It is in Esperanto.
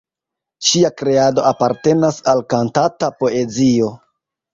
Ŝia kreado apartenas al kantata poezio.